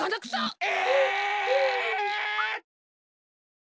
え！？